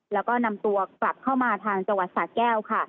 แล้วก็นำตัวกลับเข้ามาทางจังหวัดสาแก้วค่ะ